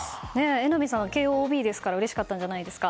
榎並さん、慶応ＯＢですからうれしかったんじゃないんですか。